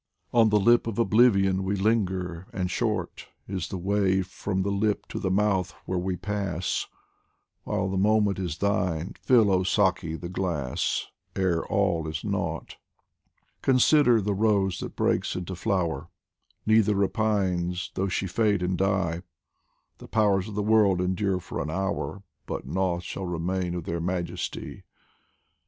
On the lip of Oblivion we linger, and short Is the way from the Lip to the Mouth where we pass While the moment is thine, fill, oh Saki, the glass Ere all is nought ! 85 POEMS FROM THE Consider the rose that breaks into flower, Neither repines though she fade and die The powers of the world endure for an hour, But nought shall remain of their majesty.